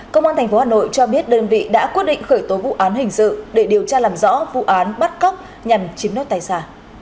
công an tp hà nội cho biết đơn vị đã quyết định khởi tố vụ án hình sự để điều tra làm rõ vụ án bắt cóc nhằm chiếm nốt tài sản